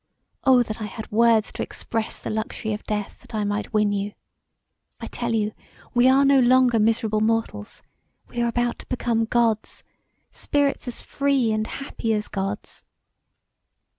Oh! that I had words to express the luxury of death that I might win you. I tell you we are no longer miserable mortals; we are about to become Gods; spirits free and happy as gods.